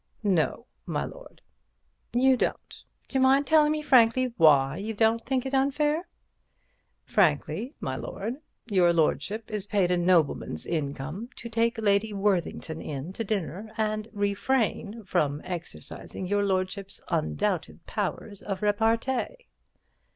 "No, my lord." "You don't. D'you mind telling me frankly why you don't think it unfair?" "Frankly, my lord, your lordship is paid a nobleman's income to take Lady Worthington in to dinner and refrain from exercising your lordship's undoubted powers of repartee."